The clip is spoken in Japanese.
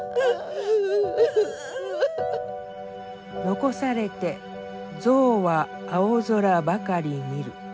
「遺されて象は青空ばかり見る」。